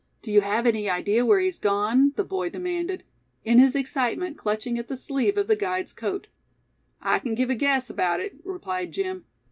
Do you have any idea where he's gone?" the boy demanded, in his excitement clutching at the sleeve of the guide's coat. "I kin give a guess, 'baout it," replied Jim.